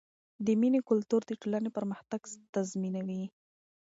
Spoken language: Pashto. د مینې کلتور د ټولنې پرمختګ تضمینوي.